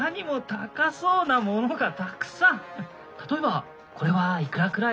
例えばこれはいくらくらい？」。